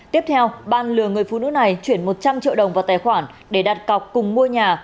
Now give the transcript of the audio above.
tiếp theo ban lừa người phụ nữ này chuyển một trăm linh triệu đồng vào tài khoản để đặt cọc cùng mua nhà